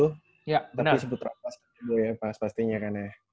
tapi sebut abastol ya pastinya